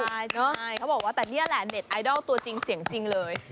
ใช่เขาบอกว่าแต่นี่แหละเน็ตไอดอลตัวจริงเสียงจริงเลย